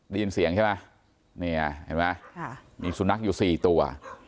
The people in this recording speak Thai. ได้ยินเสียงใช่ไหมมีสุนัขอยู่สี่ตัว